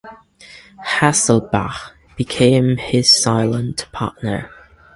Hasselbach became his silent partner.